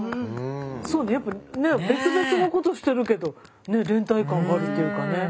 そうね別々のことしてるけど連帯感があるっていうかね。